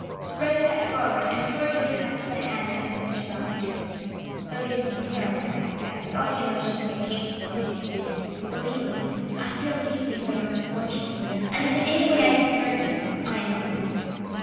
Debray stepped forward, and cordially pressed the hand of his interlocutor. "Believe me, dear Albert," he said, with all the emotion he was capable of feeling,—"believe me, I feel deeply for your misfortunes, and if in any way I can serve you, I am yours."